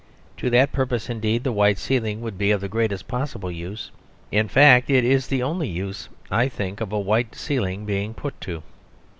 To that purpose, indeed, the white ceiling would be of the greatest possible use; in fact, it is the only use I think of a white ceiling being put to.